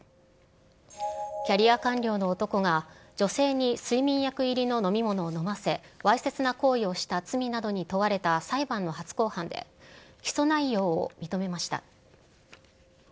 キャリア官僚の男が、女性に睡眠薬入りの飲み物を飲ませ、わいせつな行為をした罪などに問われた裁判の初公判で、起訴内容を認めました。